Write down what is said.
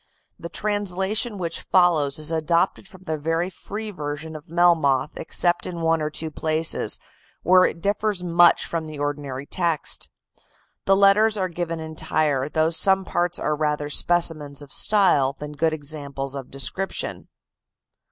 The translation which follows is adopted from the very free version of Melmoth, except in one or two places, where it differs much from the ordinary text. The letters are given entire, though some parts are rather specimens of style than good examples of description.